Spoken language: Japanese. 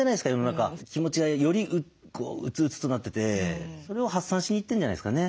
気持ちがより鬱々となっててそれを発散しに行ってんじゃないですかね。